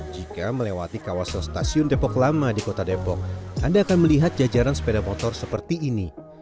jika melewati kawasan stasiun depok lama di kota depok anda akan melihat jajaran sepeda motor seperti ini